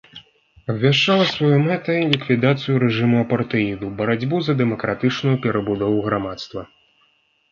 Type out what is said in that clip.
Абвяшчала сваёй мэтай ліквідацыю рэжыму апартэіду, барацьбу за дэмакратычную перабудову грамадства.